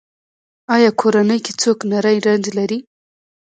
ایا کورنۍ کې څوک نری رنځ لري؟